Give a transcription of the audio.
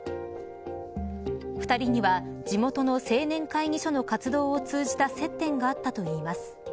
２人には地元の青年会議所の活動を通じた接点があったといいます。